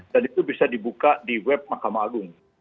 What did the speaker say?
dan itu bisa dibuka di web makamah agung